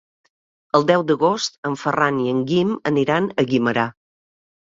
El deu d'agost en Ferran i en Guim aniran a Guimerà.